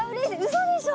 嘘でしょ？